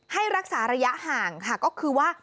ให้รักษาระยะห่างค่ะก็คือว่า